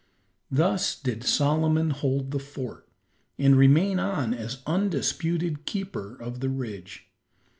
Thus did Solomon hold the fort, and remain on as undisputed keeper of the ridge.